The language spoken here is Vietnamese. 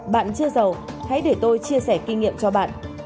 bạn chưa giàu hãy để tôi chia sẻ kinh nghiệm cho bạn